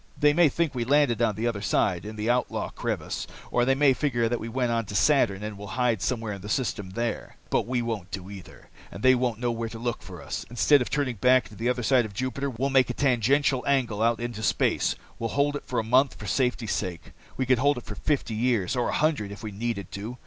They may think we landed on the other side, in the Outlaw Crevice. Or they may figure that we went on to Saturn, and will hide somewhere in the system there. "But we won't do either, and they won't know where to look for us. Instead of turning back on the other side of Jupiter, we'll make a tangential angle out into space. We'll hold it for a month, for safety's sake. We could hold for fifty years, or a hundred, if we needed to.